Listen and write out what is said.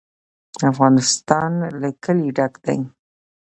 افغانستان له کلي ډک دی.